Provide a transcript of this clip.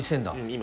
今